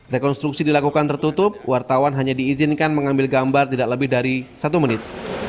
rekonstruksi dilakukan tertutup wartawan hanya diizinkan mengambil gambar tidak lebih dari satu menit